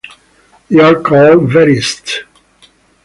They are called Verists.